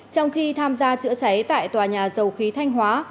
trong khi tham gia chữa cháy tại tòa nhà dầu khí thanh hóa